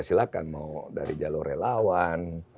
silahkan mau dari jalur relawan